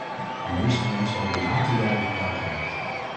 De meesten van ons hebben een aantal jaren hieraan gewerkt.